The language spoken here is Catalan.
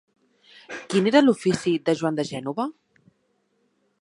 Quin era l'ofici de Joan de Gènova?